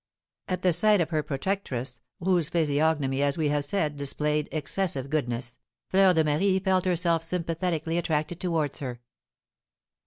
At the sight of her protectress, whose physiognomy, as we have said, displayed excessive goodness, Fleur de Marie felt herself sympathetically attracted towards her.